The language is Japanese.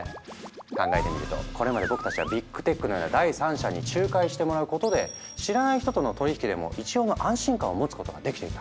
考えてみるとこれまで僕たちはビッグ・テックのような第三者に仲介してもらうことで知らない人との取引でも一応の安心感を持つことができていた。